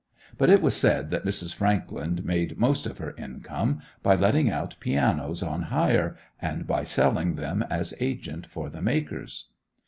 But it was said that Mrs. Frankland made most of her income by letting out pianos on hire, and by selling them as agent for the makers.